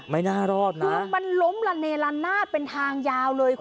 ไม่น่ารอดนะคุณมันล้มหลั่งแนเรลาชนาธิ์เป็นทางยาวเลยคุณ